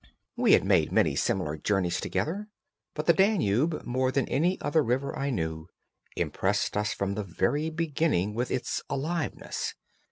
We had made many similar journeys together, but the Danube, more than any other river I knew, impressed us from the very beginning with its aliveness.